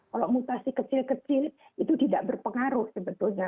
kalau mutasi kecil kecil itu tidak berpengaruh sebetulnya